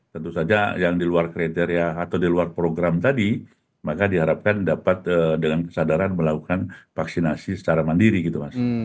tentu saja yang di luar kriteria atau di luar program tadi maka diharapkan dapat dengan kesadaran melakukan vaksinasi secara mandiri gitu mas